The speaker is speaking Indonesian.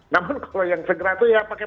namun kalau yang segera itu ya pakai